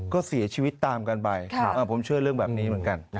ก็เสียชีวิตตามกันไปผมเชื่อเรื่องแบบนี้เหมือนกัน